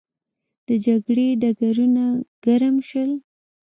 د جګړې ډګرونه ګرم شول.